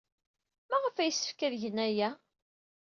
Maɣef ay yessefk ad gen aya?